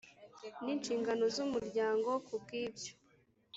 n inshinganzo z umuryango Ku bw ibyo